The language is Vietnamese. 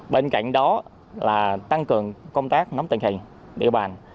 bên cạnh đó là tăng cường công tác nắm tình hình địa bàn